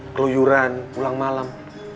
keluyuran pulang malam